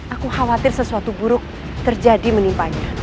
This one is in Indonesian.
aku khawatir sesuatu buruk terjadi menimpanya